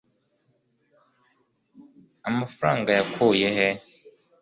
amafaranga yakuye he